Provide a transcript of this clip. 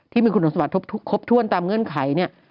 ที่มีคุณสมัครทบทวนตามเงื่อนไข